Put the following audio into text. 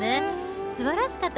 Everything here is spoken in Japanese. すばらしかった。